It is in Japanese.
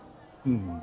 うん。